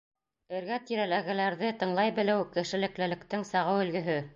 Эргә-тирәләгеләрҙе тыңлай белеү — кешелеклелектең сағыу өлгөһө.